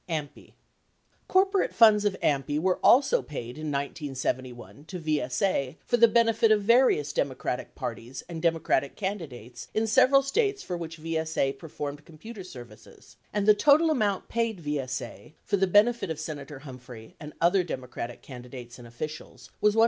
(AMPI). Corporate funds of AMPI were also paid in 1971 to VSA for the benefit of various Democratic parties and Democratic candidates in several States for which VSA performed computer services and the total amount paid VSA for the benefit of Senator Humphrey and other Democratic candidates and officials was $137,000.